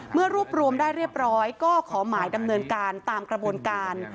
เมื่อรวบรวมได้เรียบร้อยก็ขอหมายดำเนินการตามกระบวนการ